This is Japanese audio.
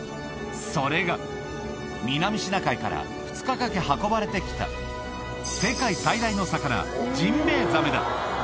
それが、南シナ海から２日かけ、運ばれてきた世界最大の魚、ジンベエザメだ。